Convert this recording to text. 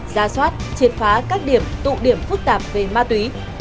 ra soát triệt phá các điểm tụ điểm phức tạp về ma túy